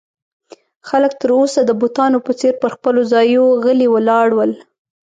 خلک تر اوسه د بتانو په څېر پر خپلو ځایو غلي ولاړ ول.